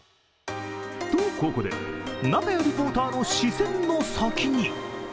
とここで、仲谷リポーターの視線の先に。